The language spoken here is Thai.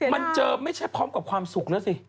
มันเจอไม่ใช่พร้อมกับความสุขแล้วสิ